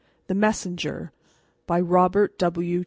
The Messenger BY ROBERT W.